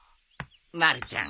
まるちゃん